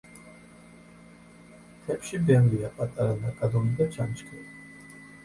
მთებში ბევრია პატარა ნაკადული და ჩანჩქერი.